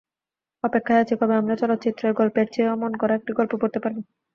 অপেক্ষায় আছি, কবে আমরা চলচ্চিত্রের গল্পের চেয়েও মনকাড়া একটি গল্প পড়তে পারব।